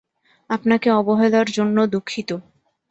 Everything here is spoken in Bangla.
আপনাকে অবহেলার জন্য দুঃখিত।